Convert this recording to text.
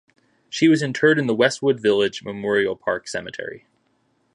She was interred in the Westwood Village Memorial Park Cemetery.